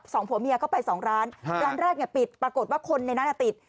สองผัวเมียเข้าไปสองร้านร้านแรกปิดปรากฏว่าคนในนั้นติด